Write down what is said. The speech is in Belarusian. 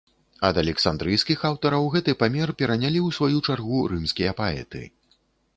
Ад александрыйскіх аўтараў гэты памер перанялі ў сваю чаргу рымскія паэты.